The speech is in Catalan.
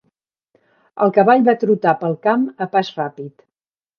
El cavall va trotar pel camp a pas ràpid.